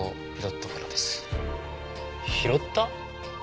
拾った？